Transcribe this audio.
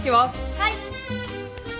はい！